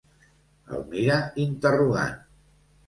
El mira interrogant.